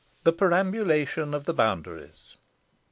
THE PERAMBULATION OF THE BOUNDARIES.